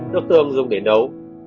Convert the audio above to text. nước tương dùng để nấu